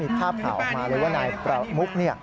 มีภาพข่าวออกมาเลยว่านายประมุก